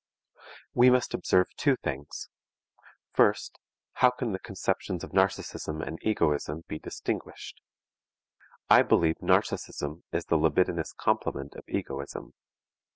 We must observe two things: First, how can the conceptions of narcism and egoism be distinguished? I believe narcism is the libidinous complement of egoism.